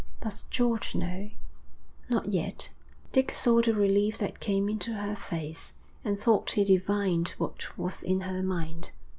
'Does George know?' 'Not yet.' Dick saw the relief that came into her face, and thought he divined what was in her mind.